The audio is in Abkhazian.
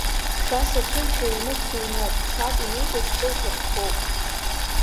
Шәа сацәымшәо ҩнык сыҩноуп, саб инижьыз хылԥак схоуп.